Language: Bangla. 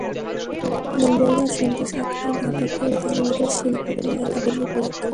মঙ্গলবার সন্ধ্যা সাতটায় নাটকটি বাংলাদেশ শিল্পকলা একাডেমী পরীক্ষণ থিয়েটার হলে প্রদর্শিত হবে।